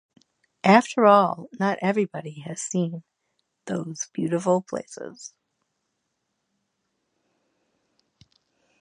After all, not everybody has seen those beautiful places.